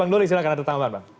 bang duli silahkan atur tangan bang